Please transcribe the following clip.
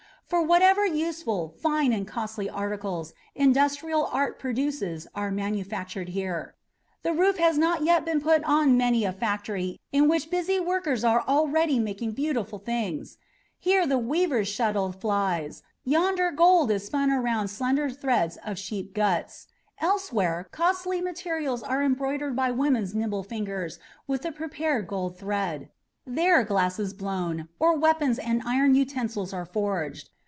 for whatever useful, fine, and costly articles industrial art produces are manufactured here. The roof has not yet been put on many a factory in which busy workers are already making beautiful things. Here the weaver's shuttle flies, yonder gold is spun around slender threads of sheep guts, elsewhere costly materials are embroidered by women's nimble fingers with the prepared gold thread. There glass is blown, or weapons and iron utensils are forged.